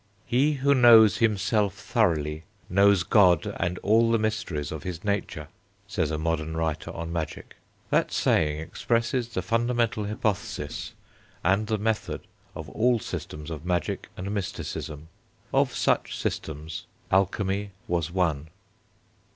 "He who knows himself thoroughly knows God and all the mysteries of His nature," says a modern writer on magic. That saying expresses the fundamental hypothesis, and the method, of all systems of magic and mysticism. Of such systems, alchemy was one.